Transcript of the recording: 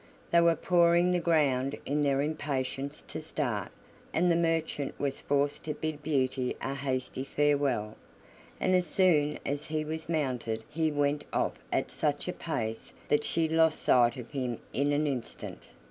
They were pawing the ground in their impatience to start, and the merchant was forced to bid Beauty a hasty farewell; and as soon as he was mounted he went off at such a pace that she lost sight of him in an instant.